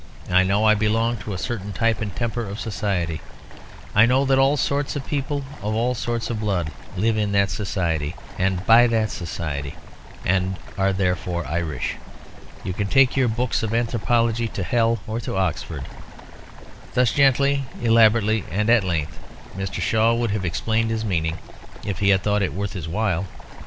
I know I belong to a certain type and temper of society; and I know that all sorts of people of all sorts of blood live in that society and by that society; and are therefore Irish. You can take your books of anthropology to hell or to Oxford." Thus gently, elaborately and at length, Mr. Shaw would have explained his meaning, if he had thought it worth his while.